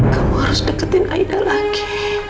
kamu harus deketin aida lagi